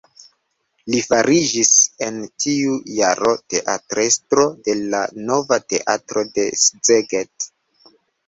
Li fariĝis en tiu jaro teatrestro de la nova teatro de Szeged.